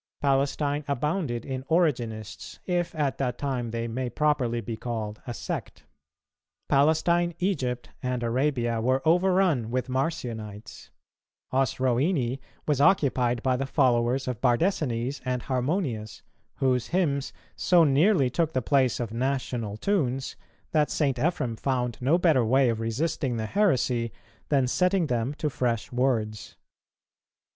Palestine abounded in Origenists, if at that time they may properly be called a sect; Palestine, Egypt, and Arabia were overrun with Marcionites; Osrhoene was occupied by the followers of Bardesanes and Harmonius, whose hymns so nearly took the place of national tunes that St. Ephrem found no better way of resisting the heresy than setting them to fresh words.